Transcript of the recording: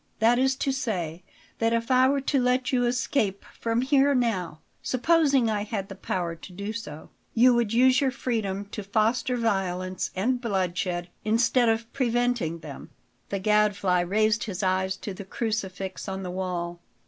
That is to say, that if I were to let you escape from here now, supposing I had the power to do so, you would use your freedom to foster violence and bloodshed instead of preventing them?" The Gadfly raised his eyes to the crucifix on the wall.